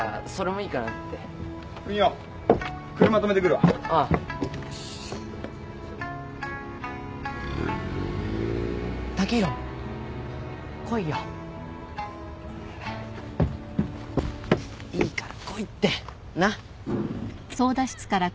いいから来いってなっ。